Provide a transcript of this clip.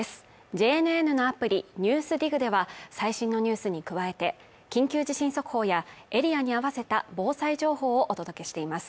ＪＮＮのアプリ「ＮＥＷＳＤＩＧ」では最新のニュースに加えて、緊急地震速報やエリアに合わせた防災情報をお届けしています。